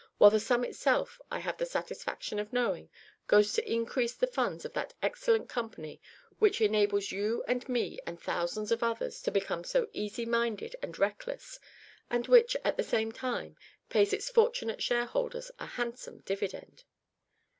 while the sum itself, I have the satisfaction of knowing, goes to increase the funds of that excellent company which enables you and me and thousands of others to become so easy minded and reckless, and which, at the same time, pays its fortunate shareholders a handsome dividend."